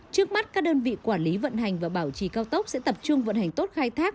trước mắt các đơn vị quản lý vận hành và bảo trì cao tốc sẽ tập trung vận hành tốt khai thác